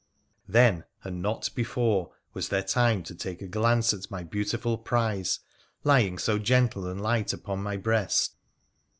Then, and not before, was there time to take a glance at my beautiful prize, lying so gentle and light upon my breast.